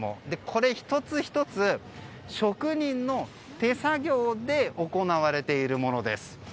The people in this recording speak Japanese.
これ１つ１つ、職人の手作業で行われているものです。